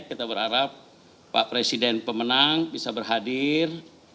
kita berharap pak presiden pemenang bisa berhadir